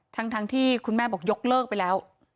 ทั้งที่คุณแม่บอกยกเลิกไปแล้ว